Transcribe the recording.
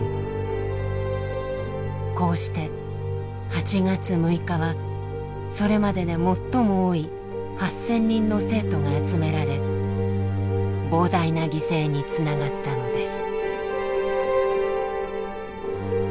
こうして８月６日はそれまでで最も多い８，０００人の生徒が集められ膨大な犠牲につながったのです。